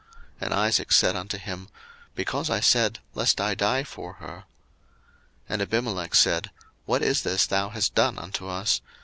And Isaac said unto him, Because I said, Lest I die for her. 01:026:010 And Abimelech said, What is this thou hast done unto us?